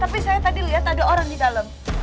tapi saya tadi lihat ada orang di dalam